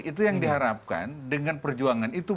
itu yang diharapkan dengan perjuangan itu